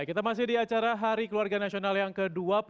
kita masih di acara hari keluarga nasional yang ke dua puluh tiga